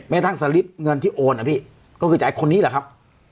ทั้งสลิปเงินที่โอนนะพี่ก็คือจ่ายคนนี้แหละครับ